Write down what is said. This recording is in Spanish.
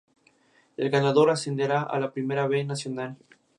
Cope es el nieto del escritor sudafricano Jack Cope.